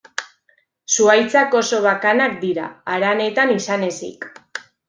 Zuhaitzak oso bakanak dira, haranetan izan ezik.